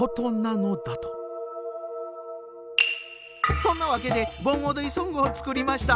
そんなわけで盆おどりソングを作りました。